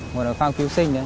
một cái phao cứu sinh đấy